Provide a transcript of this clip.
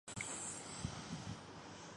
inter bank market